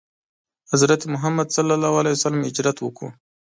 حضرت محمد ﷺ هجرت وکړ.